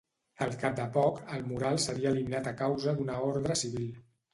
Al cap de poc, el mural seria eliminat a causa d'una ordre civil.